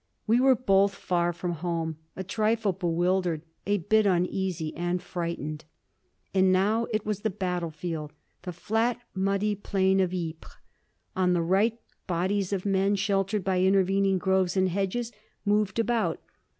We were both far from home, a trifle bewildered, a bit uneasy and frightened. And now it was the battlefield the flat, muddy plain of Ypres. On the right bodies of men, sheltered by intervening groves and hedges, moved about.